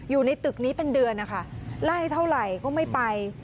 อยู่ในตึกนี้เป็นเดือนนะคะไล่เท่าไหร่ก็ไม่ไป